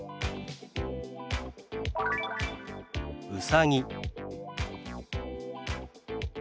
「うさぎ」。